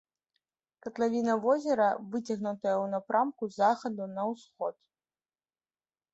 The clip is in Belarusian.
Катлавіна возера выцягнутая ў напрамку з захаду на ўсход.